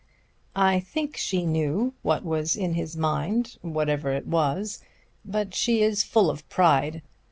I think she knew what was in his mind, whatever it was; but she is full of pride.